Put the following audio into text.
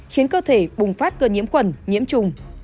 khiến cơ thể bùng phát cơ nhiễm quần nhiễm trùng